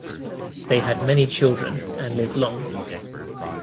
They had many children and lived long.